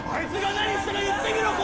何したか言ってみろ！